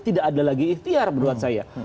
tidak ada lagi ikhtiar menurut saya